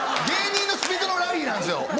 芸人のスピードのラインなんですよ。